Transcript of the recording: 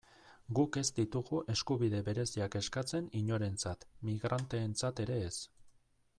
Guk ez ditugu eskubide bereziak eskatzen inorentzat, migranteentzat ere ez.